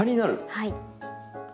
はい。